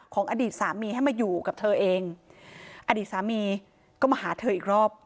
อดีตสามีให้มาอยู่กับเธอเองอดีตสามีก็มาหาเธออีกรอบ